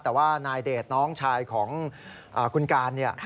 แต่ว่านายเดชน้องชายของคุณการเนี่ย